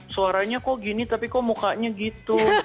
suaranya kok gini tapi kok mukanya gitu